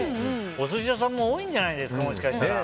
お寿司屋さんも多いんじゃないですか？